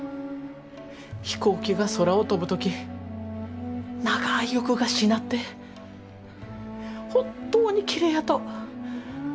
飛行機が空を飛ぶ時長い翼がしなって本当にきれいやと。